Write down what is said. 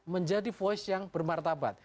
menjadi voice yang bermartabat